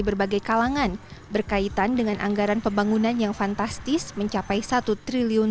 berbagai kalangan berkaitan dengan anggaran pembangunan yang fantastis mencapai satu triliun